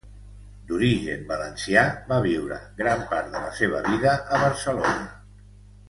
D'origen valencià va viure gran part de la seva vida a Barcelona.